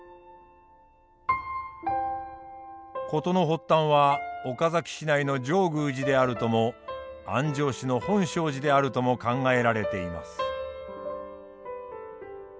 事の発端は岡崎市内の上宮寺であるとも安城市の本證寺であるとも考えられています。